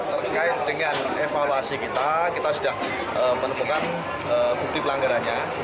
terkait dengan evaluasi kita kita sudah menemukan bukti pelanggarannya